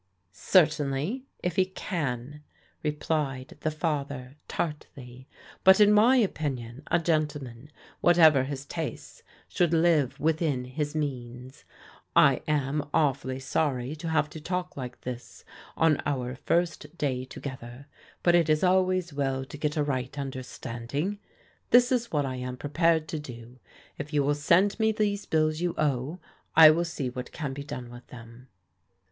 " Certainly, if he can," replied the father tartly. " But in my opinion, a gentleman, whatever his tastes, should live within his means. I am awfully sorry to have to talk like this on our first day together, but it is always well to get a right understanding. This is what I am prepared to do. If you will send me these bills you owe, I will see what can be done with them."